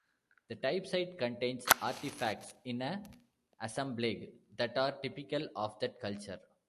A type site contains artifacts, in an assemblage, that are typical of that culture.